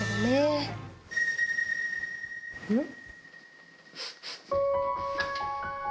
うん？